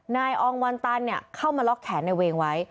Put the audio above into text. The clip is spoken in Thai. นายอองวันตันเข้ามาล็อกแขนในเวงไว้